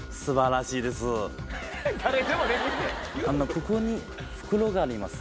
ここに袋があります。